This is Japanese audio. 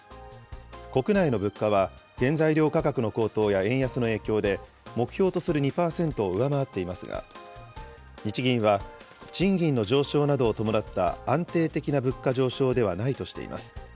国内の物価は原材料価格の高騰や円安の影響で、目標とする２％を上回っていますが、日銀は、賃金の上昇などを伴った安定的な物価上昇ではないとしています。